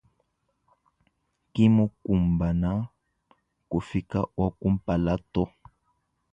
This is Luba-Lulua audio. Kimukumbana kufika wakumpala to.